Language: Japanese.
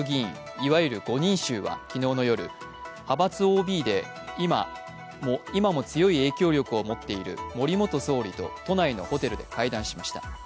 いわゆる５人衆は昨日夜、派閥ＯＢで今も強い影響力を持っている森元総理と都内のホテルで会談しました。